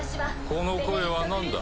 この声はなんだ？